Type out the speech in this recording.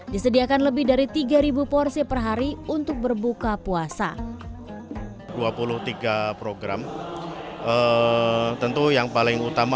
disediakan lebih dari tiga porsi perhari untuk berbuka puasa dua puluh tiga program tentu yang paling utama